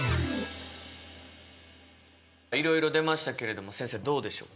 いろいろ出ましたけれども先生どうでしょうか。